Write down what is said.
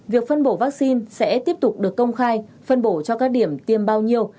việc phân bổ vaccine sẽ tiếp tục được công khai phân bổ cho các điểm tiêm bao nhiêu